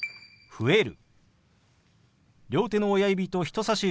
「増える」。